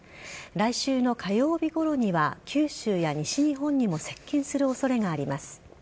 来週の火曜日ごろには九州や西日本にも接近する恐れがあります。